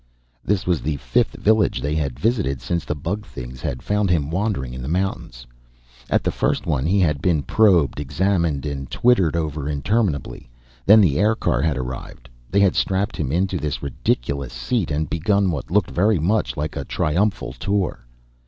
This was the fifth village they had visited since the bug things had found him wandering in the mountains. At the first one, he had been probed, examined and twittered over interminably; then the aircar had arrived, they had strapped him into this ridiculous seat and begun what looked very much like a triumphal tour.